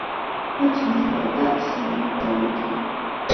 მათ მეთაურობდა ქსენოფონტი.